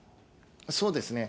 そうですね。